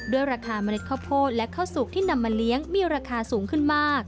ราคาเมล็ดข้าวโพดและข้าวสุกที่นำมาเลี้ยงมีราคาสูงขึ้นมาก